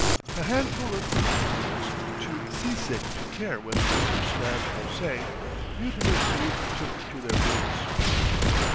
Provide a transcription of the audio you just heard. A handful of miserables, too seasick to care whether the ship swam or sank, mutinously took to their berths.